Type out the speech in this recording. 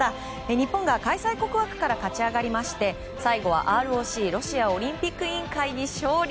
日本が開催国枠から勝ち上がりまして最後はＲＯＣ・ロシアオリンピック委員会に勝利。